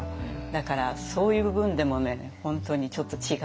だからそういう部分でもね本当にちょっと違う。